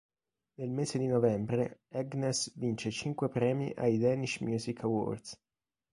Nel mese di novembre Agnes vince cinque premi ai Danish Music Awards.